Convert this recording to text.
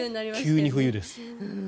急に冬です。